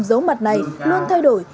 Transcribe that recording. giấu mặt này luôn thay đổi